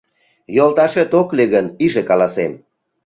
Йолташет ок лий гын, иже каласем.